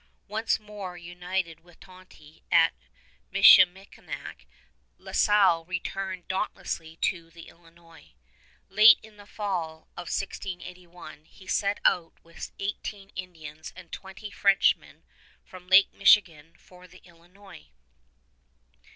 Once more united with Tonty at Michilimackinac, La Salle returned dauntlessly to the Illinois. Late in the fall of 1681 he set out with eighteen Indians and twenty Frenchmen from Lake Michigan for the Illinois.